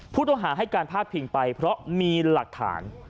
ผู้ต้องหาให้การพาดพิงไปเพราะมีหลักฐาน